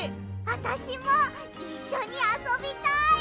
あたしもいっしょにあそびたい！